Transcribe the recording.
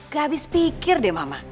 gak habis pikir deh mama